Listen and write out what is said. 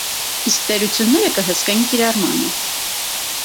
Իսկ տերությունները կհսկեն կիրառմանը։